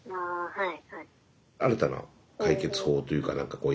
はい。